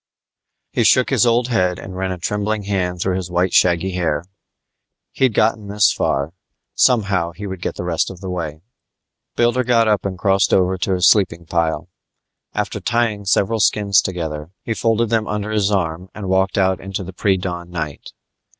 He shook his old head and ran a trembling hand through his white shaggy hair. He'd gotten this far; somehow he would get the rest of the way. Builder got up and crossed over to his sleeping pile. After tying several skins together, he folded them under his arm and walked out into the pre dawn night.